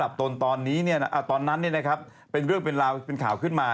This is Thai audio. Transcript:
ครับก็ผ่านมา